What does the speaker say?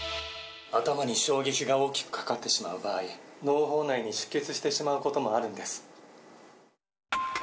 頭に衝撃が大きくかかってしまう場合、のう胞内に出血してしまうこともあるんです。